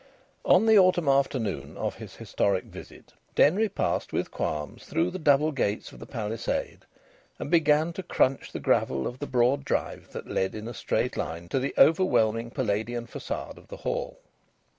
On the autumn afternoon of his Historic visit, Denry passed with qualms through the double gates of the palisade, and began to crunch the gravel of the broad drive that led in a straight line to the overwhelming Palladian façade of the Hall.